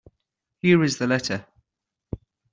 Here is the letter.